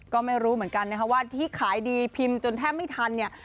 ก็ไม่รู้เหมือนกันนะคะว่าที่ขายดีพิมพ์จนแทบไม่ทันเนี่ย